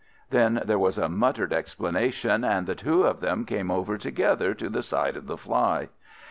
Then there was a muttered explanation, and the two of them came over together to the side of the fly.